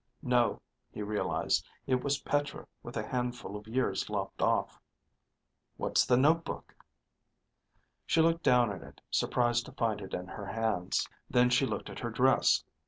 (No, he realized; it was Petra with a handful of years lopped off.) "What's the notebook?" She looked down at it, surprised to find it in her hands. Then she looked at her dress.